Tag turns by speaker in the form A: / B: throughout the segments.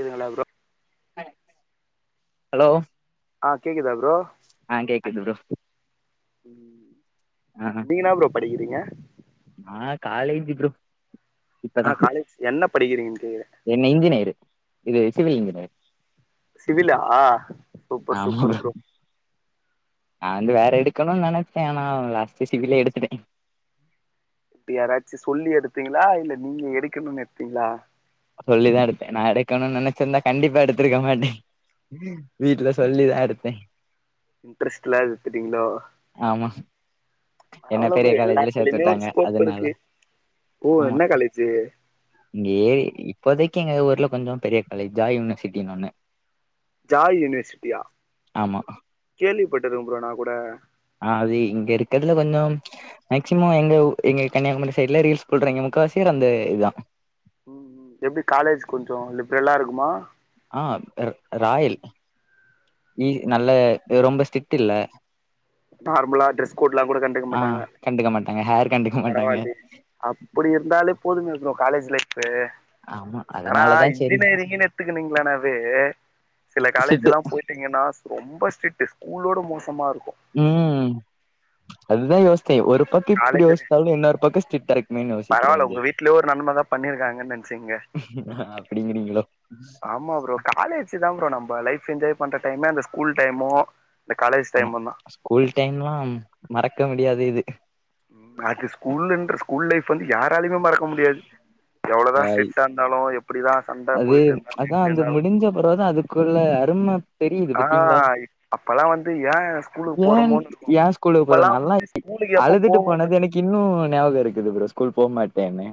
A: இதுங்களா bro
B: hello
A: ஆ கேக்குதா bro
B: ஆ கேக்குது ப்ரோ
A: ம்
B: ஆ
A: நீங்கன்னா ப்ரோ படிக்றீங்க
B: நா காலேஜ் ப்ரோ இப்பதா
A: ஆ காலேஜ் என்ன படிக்கிறீங்கன் கேக்குற
B: என்ன இன்ஜினியரு இது சிவில் இன்ஜினியரு
A: சிவிலா சூப்பர் சூப்பர் ப்ரோ
B: நான் வந்து வேற எடுக்கணுன் நெனச்ச ஆனா லாஸ்ட் சிவிலே எடுத்துட்ட
A: யாராச்சு சொல்லி எடுத்தீங்களா இல்ல நீங்க எடுக்கணுன் எடுத்தீங்களா
B: சொல்லிதா எடுத்த நா எடுக்கணுன் நெனைச்சிருந்தா கண்டிப்பா எடுத்துருக்க மாட்ட ம் வீட்ல சொல்லிதா எடுத்தே
A: இன்ட்ரெஸ்ட் இல்லாது எத்துட்டீங்களோ
B: ஆமா என்ன
A: பரவால ப்ரோ
B: பெரிய காலேஜ்ல சேத்து
A: எல்லாத்துலயுமே ஒரு
B: விட்டாங்க
A: ஸ்கோப்
B: அதனால
A: இருக்கு ஓ
B: ஆமா
A: என்ன காலேஜு
B: இங்க ஏ இப்போதைக்கு எங்க ஊர்ல கொஞ்சோ பெரிய காலேஜ்ஜா யூனிவர்சிட்டின்னு ஒன்னு
A: ஜாய் யூனிவர்சிட்டியா
B: ஆமா
A: கேள்விப்பட்டிருக்கே ப்ரோ நா கூட
B: ஆ அது இங்க இருக்கதுல கொஞ்சோ மேக்சிமம் எங்க எங்க கன்னியாகுமரி சைட்ல ரீல்ஸ் போட்றங்க முக்காசிபேர் அந்த இதுதா
A: ம் ம் எப்டி காலேஜ் கொஞ்சோ லிப்ரல்லா இருக்குமா
B: ஆ அ ராயல் வி நல்ல ரொம்ப ஸ்ட்ரிட் இல்ல
A: நார்மலா ட்ரெஸ் கோட்லா கூட கண்டுக்க
B: ஆ
A: மாட்டாங்க
B: கண்டுக்க மாட்டாங்க ஹேர் கண்டுக்க மாட்டாங்க
A: அப்படி இருந்தாலே போதுமே ப்ரோ காலேஜ் லைஃபு
B: ஆமா
A: ஏனா
B: அதனாலதா செரி
A: இன்ஜினியரிங்ன்னு எடுத்துக்குனீங்களானாவே சில
B: ஸ்ட்ரிக்ட்
A: காலேஜ்ல்லா போயி [unintelligible] ரொம்ப ஸ்ட்ரிட் ஸ்கூலோட மோசமா இருக்கு
B: ம் ரொம்ப யோசிச்சே ஒரு பக்க இப்படி
A: காலேஜ்
B: யோசித்தாலு இன்னொரு பக்க சிட்டா இருக்கு
A: பரவால்ல உங்க வீட்டு்லயே ஒரு நன்மைதா பண்ணிருக்காங்கன் நெனைச்சுகங்க
B: அப்டிங்கிறீங்களோ
A: ஆமா ப்ரோ காலேஜ் தா ப்ரோ நம்ம லைஃப் என்ஜாய் பண்ற டைமே அந்த ஸ்கூல் டைமு இந்த காலேஜ்
B: ஆனா
A: டைமுதா
B: ஸ்கூல் டைம்ல்லா மறக்க முடியாது இது
A: அது ஸ்கூல்ன்ற ஸ்கூல் லைஃப் வந்து யாராலுமே மறக்க முடியாது எவ்வளோதா
B: ஆய்
A: ஸ்ட்ரிட்டா இருந் தாலு எப் ப்டிதா சண்
B: அது அதா அந்த முடிஞ்ச பரவுதா அதுக்குள்ள அரும தெரியுது
A: ஆ
B: பாத்தீங்களா
A: அப்பல்லா வந்து ஏன் ஸ்கூலுக்கு
B: ஏன்
A: போறமோன்னு
B: ஏ ஸ்கூலுக்கு போற நல்லா
A: இருக்கு ஊலுக்கு எப்ப
B: அழுதுட்டு
A: போவோன்னு
B: போனது எனக்கு இன்னு ஞாபக இருக்குது ப்ரோ ஸ்கூல் போ மாட்டேன்னு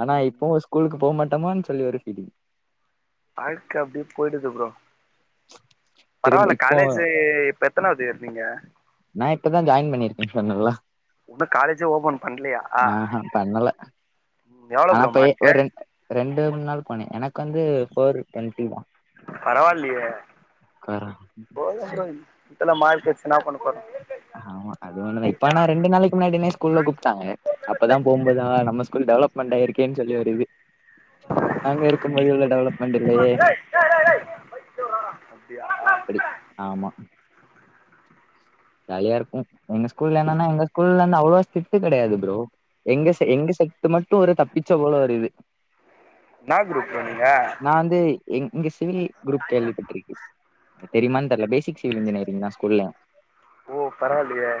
B: ஆனா இப்போ ஸ்கூலுக்கு போ மாட்டோமான்னு சொல்லி ஒரு ஃபீலிங்
A: வாழ்க்க அப்டியே போயிடுது ப்ரோ பரவால்ல
B: திரும்ப இப்போ
A: காலேஜ் இப்ப எத்தனாவது இயர் நீங்க
B: நா இப்பதா ஜாயின் பண்ணிருக்கே சொன்னல்ல
A: இன்னு காலேஜே ஓப்பன் பண்ணலையா
B: அ பண்ணல ஆனா போய்
A: மார்க்கு
B: ஒரு ரெண் ரெண்டு மூணு நாள் போனே எனக்கு வந்து போர் டொண்டிதா
A: பரவாயில்லையே
B: கர
A: போதும் ப்ரோ எல்ல மார்க்ஸ வெச்சு என்னாப் பண்ணப் போறோ
B: ஆமா அது ஒண்ணு தா இப்ப நா ரெண்டு நாளைக்கு முன்னாடினே ஸ்கூல்ல கூப்பிட்டாங்க அப்பதா போகு போதுதா நம்ம ஸ்கூல் டெவலப்மெண்ட் ஆயிருக்கேன்னு சொல்லி ஒரு இது நாங்க இருக்கும் போது இவ்ளோ டெவலப்மெண்ட் இல்லையே
A: அப்டியா
B: அப்டி ஆமா ஜாலியா இருக்கு எங்க ஸ்கூல என்னன்னா எங்க ஸ்கூல வந்து அவ்ளோ ஸ்டிட்டு கெடையாது ப்ரோ எங்க செ எங்க செட் மட்டு ஒரு தப்பிச்ச போல ஒரு இது
A: என்னா குரூப்பு நீங்க
B: நா வந்து எங் இங்க சிவில் குரூப் கேள்விப்பட்டிருக்கே தெரியுமான்னு தெரில பேசிக் சிவில் இன்ஜினியரிங் தா ஸ்கூல்ல
A: ஓ பரவாயில்லையே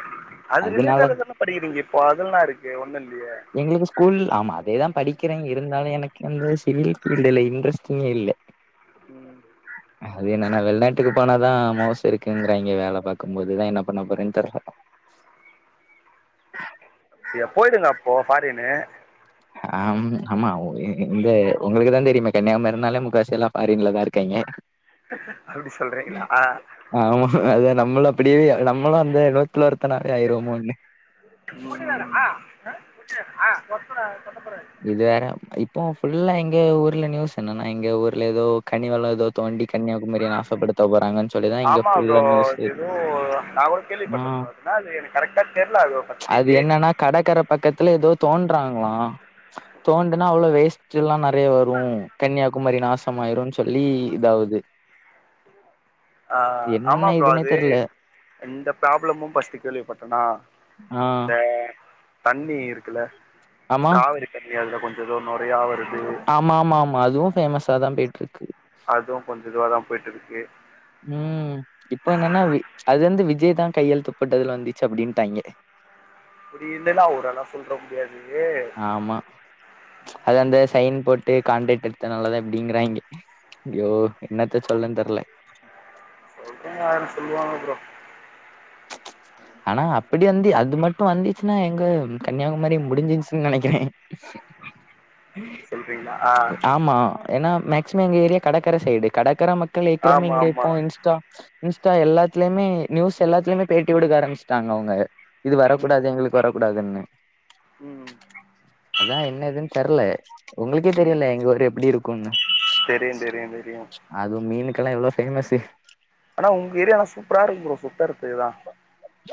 A: அது
B: அதனால
A: ரிலேட்டாதானே படிக்கிறீங்க இப்போ அதெல்லா இருக்கே ஒண்ணு இல்லையே
B: எங்களுக்கு ஸ்கூல் ஆமா அதேதா படிக்கிறே இருந்தாலு எனக்கு அந்த சிவில் பீல்டுல இன்ட்ரஸ்ட்டே இல்லே
A: ம்
B: அது என்னன்னா வெளிநாட்டுக்கு போனாதா மவுஸ் இருக்குங்கிறாய்ங்க வேல பாக்கும் போது அதுதா என்ன பண்ணப் போறேன்னு தெர்ல
A: சே அப் போயிடுங்க அப்போ ஃபாரினு
B: அம் ஆமா இந்த உங்களுக்கு தா தெரியுமே கன்னியாகுமரினாலே முக்காவாசி எல்லா ஃபாரின்ல தா இருக்காயிங்க
A: அப்டி சொல்றீங்களா
B: ஆமா அத நம்மளு அப்டியே நம்மளு அந்த நூத்தல ஒருத்தனாவே ஆயிருவோமுன்னு
A: ஆ பூட்டியா ஒருத்தனு சொல்லக்கூடாது
B: இது வேற இப்போ ஃபுல்லா எங்க ஊர்ல நியூஸ் என்னன்னா எங்க ஊர்ல ஏதோ கனி வள ஏதோ தோண்டி கன்னியாகுமரிய நாசப்படுத்த போறாங்கன்னு சொல்லிதா இங்க
A: ஆமா ப்ரோ
B: ஃபுல்லா நியூஸு ம்
A: நாளு எனக்கு கரெக்டா தெர்ல அது ஃப்ஸ்ட்டு
B: இது என்னன்னா கடக்கரை பக்கத்துல ஏதோ தோன்றாங்களா தோண்டுனா அவ்ளோ வேஸ்ட் எல்லா நெறைய வரு கன்னியாகுமரி நாசமாயிருன்னு சொல்லி இதாவுது
A: ஆ ஆமா
B: என்ன
A: ப்ரோ
B: இதுன்னே
A: அது
B: தெர்ல
A: இந்தப் ப்ராபளமும் ஃபர்ஸ்ட் கேள்விபட்டனா
B: ஆ
A: இந்த தண்ணி இருக்குல்ல
B: ஆமா
A: காவிரி தண்ணி அதுல கொஞ்சோ எதோ நொறையா வருது
B: ஆமா ஆமா ஆமா அதுவு பேமஸ்சா தா போயிட்டு இருக்கு
A: அதுவு கொஞ்ச இதுவ தா போயிட்டு இருக்கு
B: ம் இப்போ என்னன்னா அது வந்து விஜய் தா கையெழுத்து போட்டது வந்துச்சு அப்டின்னுட்டாய்ங்க
A: அப்டி இருந்தால்லு அவரெல்லா சொல்ற முடியாது
B: ஆமா அது அந்த சைன் போட்டு கான்ட்ரக்ட் எடுத்தனால தா அப்டிங்கறாய்ங்க ஐயோ என்னத்த சொல்லன்னு தெர்ல
A: சொல்றவங்க ஆயிரோ சொல்லுவாங்க ப்ரோ
B: ஆனா அப்டி வந்து அது மட் இப்ப வந்துச்சுன்னா எங்க கன்னியாகுமரி முடிஞ்சிருச்சுன்னு நெனைக்கிறே
A: அப்டி சொல்றீங்களா ஆ
B: ஆமா ஏன்னா மேக்சிமம் எங்க ஏரியா கடற்கரை சைடு கடற்கரை மக்கள் ஏ்கிறமே
A: ஆமா
B: இங்க
A: ஆமா
B: இப்போ இன்ஸ்டா இன்ஸ்டா எல்லாத்துலியுமே நியூஸ் எல்லாத்துலியுமே பேட்டி குடுக்க ஆரம்பிச்சுட்டாங்க அவுங்க இது
A: ம்
B: வரக்கூடாது எங்களுக்கு வரக்கூடாதுன்னு
A: ம்
B: அதா என்ன எதுன்னு தெர்ல உங்களுக்கே
A: ம்
B: தெரியுல எங்க ஊர் எப்டி இருக்குனு
A: தெரியு தெரியு தெரியு
B: அது மீனுக்களா எவ்ளோ ஃபேமஸூ
A: ஆனா உங்க ஏரியாளா சூப்பரா இருக்கு ஃப்ரோ சுத்தரத்துகுல்லா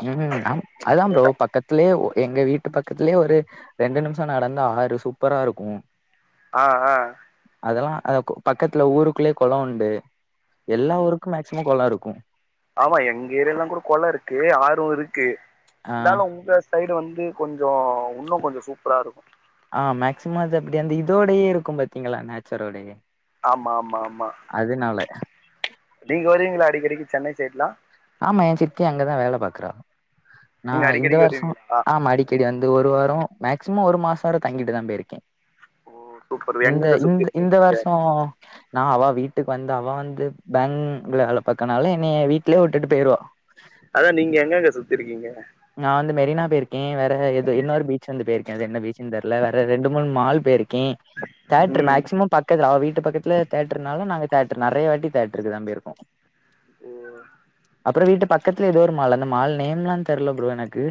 B: ம் ம் ஆம் அதாம் ஃப்ரோ பக்கத் த்துலயே உ எங்க வீட்டு பக்கத்துலயே ஒரு ரெண்டு நிமிஷம் நடந்தா ஆறு சூப்பரா இருக்கும்
A: ஆ ஆ
B: அதெல்லாம் அதக்கு பக்கத்துல ஊருக்குள்ளேயே கொளம் உண்டு
A: ம்
B: எல்லா
A: ம்.
B: ஊருக்குமே மேக் ஸ்விம்மிங் ஃபுலா இருக்கும்
A: ஆமா எங்க ஏரியல்லா கூட கொள இருக்கு ஆறும் இருக்கு
B: ஆ
A: இருந்தாலும் உங்க ஸ் சைடு வந்து கொஞ்சோ உண்ணு கொஞ்சோ சூப்ரா இருக்கும்
B: ஆ மேக்சிமம் அது அப்டி அந்த இதோடையே இருக்கும் பாத்தீங்களா நேச்சரோடயே
A: ஆமா ஆமா ஆமா
B: அதுனால
A: நீங்க வருவீங்களா அடிக்கடிக்கு சென்னை சைட்லாம்
B: ஆமா என் சித்தி அங்கதா வேல பாக்குறா நா
A: நீங்க
B: இந்த
A: அடிக்கடிக்கு
B: வருஷம்
A: வருவீங்களா
B: ஆமா அடிக்கடி வந்து ஒரு வாரம் மேக்சிமம் ஒரு மாசவர தங்கிடுவ போயிருக்கே
A: ஓ சூப்பர்
B: இந்த
A: எங்கெங்க
B: இந்
A: சுத்தி இருக்கீங்க
B: இந்த
A: நீங்க
B: வருஷோ நா அவா வீட்டுக்கு வந்து அவா வந்து பேங்க்ல வேல பக்கனால என்னைய வீட்லயே விட்டுட்டு போயிருவா
A: அதா நீங்க எங்கங்க சுத்திருக்கீங்க
B: நா வந்து மெரினா போயிருக்கே வேற எது இன்னொரு ஃபீச் வந்து போயிருக்கே அது என்ன ஃபீச்சன்னு தெர்ல வேற ரெண்டு மூணு மால் போயிருக் ம் தேட்ரு
A: ம்
B: மேக்சிமம் பாத் க்கல் அவ வீட்டு பக்கத்துல தேட்டர்ருனால நாங்க தேட்டர் நெறைய வாட்டி தேட்டருக்குதான் போயிருக்கோம்
A: ஓ
B: அப்புற வீட்டு பக்கத்துல ஏதோ ஒரு மால் அந்த மால் நேம்லா தெர்ல ஃப்ரோ எனக்கு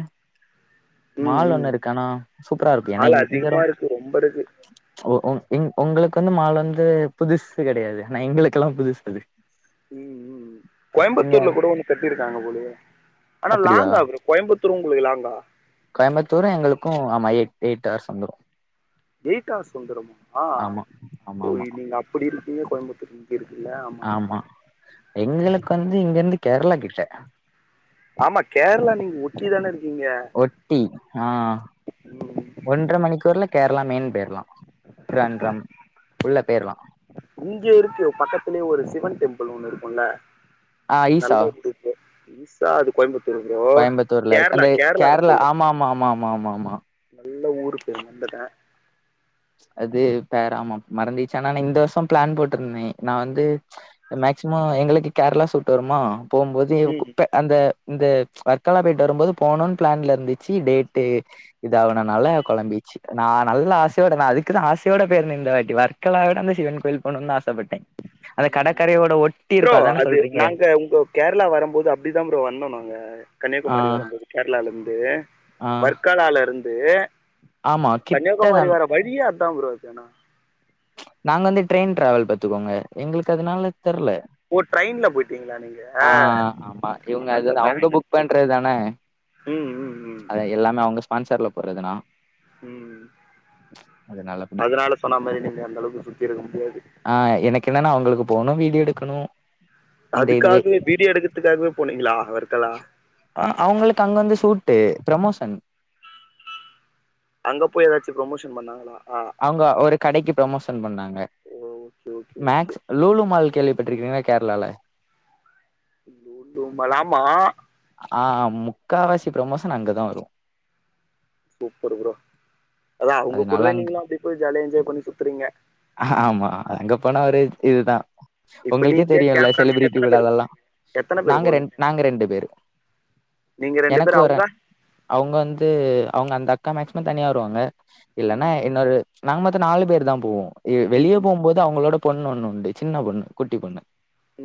A: ம்
B: மால்
A: ம்
B: ஒண்ணு இருக்கு ஆனா சூப்பரா இருக்கு ஏன்னா
A: ஆள்
B: இங் இங்க
A: அதிகமா இருக்கு ரொம்ப இருக்கு
B: ஒ உம் ம் உங்களுக்கு வந்து மால் வந்து புதுசு கெடையாது ஆனா எங்களுக்கெல்லாம் புதுசு அது
A: ம் ம்
B: இங்க
A: கோயம்புத்தூர்ல கூட ஒண்ணு கட்டியிருக்காங்க போலயே ஆனா
B: அப்டியா
A: லாங்கா ஃப்ரோ கோயம்புத்தூர் உங்ளுக்கு லாங்தா
B: கோயம்புத்தூர் எங்களுக்கும் ஆமா எயிட் எயிட் ஹர்ஸ் வந்துரு
A: எய்ட் ஹவர்ஸ் வந்துரும் ஆ
B: ஆமா ஆமா
A: ஓ
B: ஆமா
A: நீங்க அப்டி இருக்கீங்க கோயம்புத்தூர் இங்க இருக்குல ஆ
B: ஆமா எங்களுக்கு வந்து இங்க இருந்து கேரளா கிட்ட
A: ஆமா கேரளா நீங்க ஒட்டி தானே இருக்கீங்க
B: ம் ஆ
A: ம்
B: ஒன்ற மணிக்கூர்ல கேரளா மெயின் பேர் ம்மா ட்டிருவாண்ரம் உள்ள பேய்ரலாம்
A: இங்க இருக்கு பக்கத்திலேயே ஒரு சிவன் டெம்பிள் ஒண்ணு இருக்குல
B: ஆ ஈசா
A: ஆ அது கோயம்புத்தூர் ப்ரோ
B: கோயம்புத்தூர்ல இருக்கு
A: கேரளா
B: அந்த
A: கேரளல
B: கேரளா
A: சொல்ற
B: ஆமா ஆமா ஆமா ஆமா ஆமா ஆமா
A: நல்ல ஊருக் போய் வந்துட
B: அது பேராமா மறந்திச்சு ஆனா நா இந்த வர்ஷோ ப்ளான் போட்ருந்தே நா வந்து மேக்சிமோ எங்களுக்கு கேர்ளா சூட்டு வருமா போம்போதே குப்ப அந்த இந்த வர்காலா போய்ட்டு வரும்போது போணுன் ப்ளான்லருந்துச்சு டேட்டு இதாவுனால கொழம்பிச்சு நா நல்லா த்தோட நா அதுக்கு தா ஆசயோட போயிருந்தே இந்த வாட்டி வொர்க்கலா விட அந்த சிவன் கோயில் போனுன் தா ஆசப்பட்டே அது
A: ம் ம்
B: கடற்க்கரையோட
A: ப்ரோ அது நாங்க ஒங்க கேர்ளா வரம்போது அப்டிதா ப்ரோ வந்தோ நாங்க
B: ஆ
A: கன்னியாகுமாரி வரம்போது கேர்ளாலந்து
B: ஆ
A: வர்காலாலருந்து
B: ஆமா கிட்டதா
A: கன்னியாகுமாரி வர வழியே அதா ப்ரோ ஏனா
B: நாங்க வந்து ட்ரெயின் டிராவல் பாத்துக்கோங்க எங்களுக்கு அதனால தெர்ல
A: ஓ ட்ரெயின்ல போய்ட்டீங்களா நீங்க
B: ஆ ஆமா இவங்க அது
A: நாங்க வேன்
B: அவங்க புக்
A: எடுத்துட்டு போனோ ம் ம் ம்
B: அதா எல்லாமே அவுங்க ஸ்பான்சர்ல போட்றதுணா
A: ம்
B: அப்டி
A: அதனால சொன்ன மாரி நீங்க அந்தளவுக்கு சுத்திருக்க முடியாது
B: ஆ எனக்கென்னானா அவுங்களுக்கு போணு வீடியோ எடுக்கணு அந்த இதுவே
A: அதுக்காகவே வீடியோ எடுக்கதுக்காகவே போனீங்களா வர்க்கலா
B: ஆ அவுங்களுக்கு அங்க வந்து சூட்டு ப்ரமோஷன்
A: அங்க போய் எதாச்சு ப்ரமோஷன் பண்ணாங்களா ஆ
B: அவுங்க ஒரு கடைக்கு ப்ரமோஷன் பண்ணாங்க
A: okay okay okay
B: Max Lulu mall கேள்விப்பட்ருக்கீங்ளா கேர்ளால
A: லூலூ மால் ஆமா
B: ஆ முக்காவாசி ப்ரமோஷன் அங்கதா வரு
A: சூப்பர் ப்ரோ அதா அவுங்க
B: அதனால
A: கூடவே
B: அங்க
A: நீங்களு அப்டியே போய் ஜாலியா என்ஜாய் பண்ணி சுத்துறீங்க
B: ஆமா அங்க போனா ஒரே இதுதா
A: இப்ப
B: ஒங்களுக்கே
A: நீங்க
B: தெரியுல
A: கேமராமேன்
B: செலிபிரிட்டி
A: எத்தன பேர்
B: உள்ளதல்லா
A: போவீங்க எத்தன பேர்
B: நாங்க ரெண்
A: போவீங்க
B: நாங்க ரெண்டு பேரு
A: நீங்க ரெண்டு
B: எனக்கு
A: பேர்
B: ஒரு
A: அவங்க
B: அவுங்க வந்து அவுங்க அந்த அக்கா மேக்சிமம் தனியா வருவாங்க இல்லனா
A: ம்
B: இன்னொரு நாங்க மொத்தொ நாலு பேர் தா போவோ
A: ம்
B: வெளிய‌ போம்போ து அவுங்களோட பொண்ணு ஒண்ணு உண்டு சின்ன பொண்ணு குட்டி பொண்ணு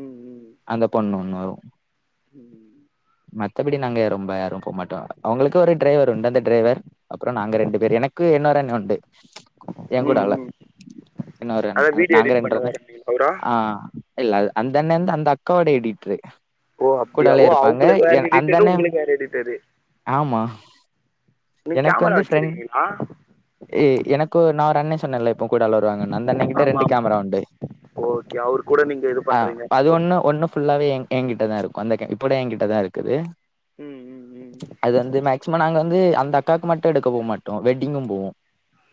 A: ம்
B: அந்த பொண்ணு ஒன்னு வரு
A: ம்
B: மத்தபடி நாங்க ரொம்ப யாரு போமாட்டோ அவுங்களுக்கு ஒரு டிரைவர் உண்டு அந்த டிரைவர் அப்றோ‌ நாங்க ரெண்டு பேரு எனக்கு இன்னொரண்ணே உண்டு எ கூட
A: ம்
B: அல்ல
A: ம்
B: இன்னொரு
A: அதா வீடியோ
B: நாங்க
A: எடிட்
B: ரெண்டு
A: பண்ணுவாருன்னீங்க அவரா
B: ஆ இல்லல் அந்தண்ணே வந்து அந்த அக்காவோட எடிட்ரு
A: ஓ அப்டியா
B: கூடாலே
A: ஓ
B: இருப்பாங்க
A: அவுங்களுக்கு வேற
B: என்- அந்த
A: எடிட்டரு
B: அண்ண
A: உங்ளுக்கு வேற எடிட்டரு
B: ஆமா
A: நீங்
B: எனக்கு
A: கேமரா
B: வந்து ஃப்ரெண்ட்
A: வச்சிருக்கீங்களா
B: ஏ எனக்கு நா ஒரு அண்ணே சொன்னேல எப்பவு கூடாலா வருவாங்கன் அந்தண்ணே கிட்ட
A: ஆமா
B: ரெண்டு
A: ஆமா
B: கேமரா உண்டு
A: ஓகே அவரு கூட நீங்க இது
B: ஆ
A: பண்றீங்க
B: அது
A: ஒர்க்
B: ஒன்னு ஒன்னு ஃபுல்லாவே எ எ கிட்டதாருக்கு அந்த இப்படு எ கிட்டதாருக்குது
A: ம் ம் ம்
B: அது வந்து மேக்சிமம் நாங்க வந்து அந்த அக்காக்கு மட்டு எடுக்க போ மாட்டோ வெட்டிங்கு போவோ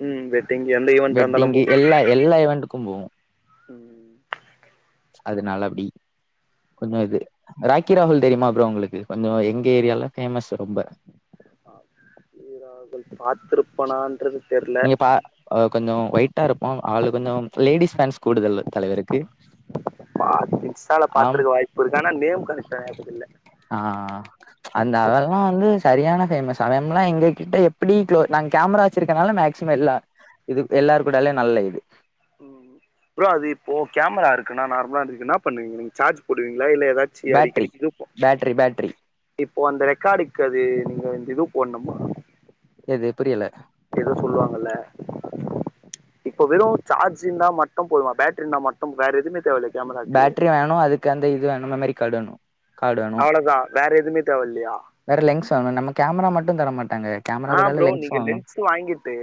A: ம் வெட்டிங் எந்த ஈவெண்ட்டா இருந்தாலும்
B: வெட்டிங்கு‌
A: போடுவீங்க
B: எல்லா எல்லா ஈவென்டுக்கு போவோ
A: ம்
B: அதுனால அப்டி கொஞ்சோ இது ரா க்கீ ராகுல் தெரிமா ப்ரோ ஒங்ளுக்கு கொஞ்சோ எங்க ஏரியாலா ஃபேமஸ்ஸு ரொம்ப
A: ஆ இரா கள் பாத்திருப்பனான்றது தெர்ல
B: நீங்க பா கொஞ்ச ஒயிட்டா இருப்பா ஆளு கொஞ்ச லேடிஸ் பேண்ஸ் கூடுதல் தலைவருக்கு
A: பாத் இன்ஷ்டால
B: ஆம்
A: பாத்துருக்க வாய்ப்புருக்க ஆனா நேம் கரட்டா ஞாபகத்தில்ல
B: ஆ அந்த லா வந்து சரியான பேமஸ் அவம்லா எங்க கிட்ட எப்டி க்ளோ நாங்க கேமரா வச்சிருக்கனால மேக் சிம் எல்லா இது எல்லார் கூடலு நல்ல இது
A: ம் ப்ரோ அது இப்போ கேமரா இருக்குன்னா நார்மலா இருக்குன்னா அதுக் ன்னா பண்ணுவீங் சார்ஜ் போடுவீங்களா இல்ல ஏதாச் சி
B: பேட்ரி
A: அடிக்கடிக்கு இது போ
B: பேட்ரி பேட்ரி
A: இப்போ அந்த ரெக்கார்டுக்கு அது நீங்க வந்து இது போட்ணுமா
B: எது புரியல
A: ஏதோ சொல்லுவாங்கல்ல இப்ப வெறும் சார்ஜ் இந்தா மட்டும் போதுமா பேட்டரி இந்தா மட்டும் வேற எதுவுமே தேவல்ல
B: பேட்டரி வேணு அதுக்கு அந்த இது வேணு மெமரி கார்டு வேணு கார்டு வேணு
A: அவ்ளதா வேற எதுமே தேவ இல்லையா
B: வேற லென்ஸ் வாங்கணு நம்ம கேமரா மட்டும் தர மாட்டாங்க கேமரா
A: ஆ
B: கூட ல
A: ப்ரோ
B: லென்ஸ்
A: நீங்க
B: வாங்னு
A: வாங்கிட்டு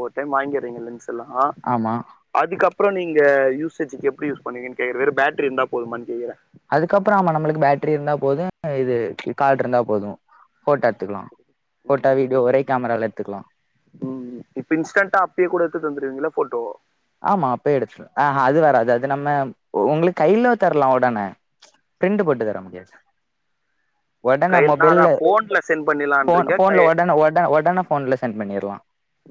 A: ஒரு டைம் வாங்கிறீங்க லென்ஸ்செல்லா
B: ஆமா
A: அதுக்கப்பறோ நீங்க யூசேஜ்க்கு எப்டி யூஸ் பண்ணுவீங்கனு கேக்குற வேறு பேட்டரி இருந்தா போதுமானு கேக்குறே
B: அதுக்கப்பறம் ஆமா நம்மளுக்கு பேட்டரி இருந்தா போது இது கார்டுருந்தா போது போட்டா எடுத்துக்கலா போட்டா
A: ம்
B: வீடியோ ஒரே கேமரால எட்த்துக்கலா
A: ம் இப்ப இன்ஸ்டன்ட்டா அப்டியே கூட எடுத்து தந்துருவீங்கல போட்டோ
B: ஆமா அப்பே எடுத்து ஆஹ அது வராது அது நம்ம உங்களுக்கு கையில தர்லா உடனே பிரிண்டு போட்டு தர முடியாது சார் உடனே
A: கையிலனா அதா
B: மொபைல்ல
A: போன்ல சென்ட்
B: போன்
A: பண்ணிலான்றீங்க கை
B: போன்ல உடனே உடனே உடனே போன்ல சென்ட் பண்ணிட்லா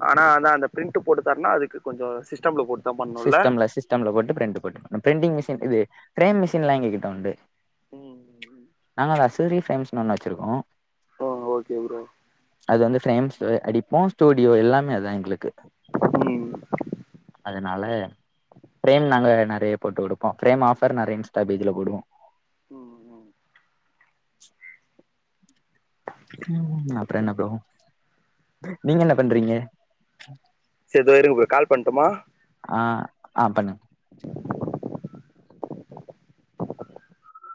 A: ஆனா அதா அந்த பிரிண்ட்டு போட்டுத்தருன்னா அதுக்கு கொஞ்சம் சிஸ்டம்ல போட்டு தா பண்ணுல்ல
B: சிஸ்டம்ல சிஸ்டம்ல போட்டு பிரிண்ட் போட்டு பிரிண்டிங் மிஷின் இது பிரேம் மிஷின்லா எங்ககிட்ட உண்டு
A: ம்
B: நாங்கலா சூரி பிரேம்ஸ்னு ஒண்ணு வச்சிருக்கோ
A: ஓ ஓகே ப்ரோ
B: அது வந்து பிரேம்ஸு அடிப்போ ஸ்டூடியோ எல்லாமே அதா எங்களுக்கு
A: ம்
B: அதனால ஃப்ரேம் நாங்க நெறைய போட்டு கொடுப்போ ஃப்ரேம் ஆஃபர் நெறைய இன்ஸ்டா பேஜ்ல போடுவோ
A: ம்
B: ம் அப்றோ என்ன ப்ரோ நீங்க என்ன பண்றீங்க
A: சே து இருங்க ப்ரோ கால் பண்ட்டுமா
B: ஆ ஆ பண்ணுங்க